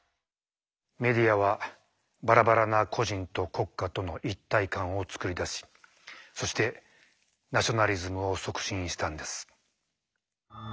メディアはバラバラな個人と国家との一体感をつくり出しそしてナショナリズムを促進したんです。